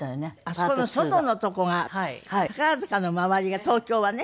あそこの外の所が宝塚の周りが東京はね。